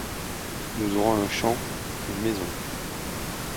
Nous aurons un champ, une maison.